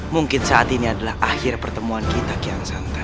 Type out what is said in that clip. mungkin saat ini adalah akhir pertemuan kita kukian santa